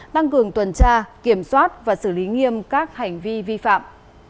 tăng cường tuần tra kiểm soát và xử lý nghiêm các hành vi vi phạm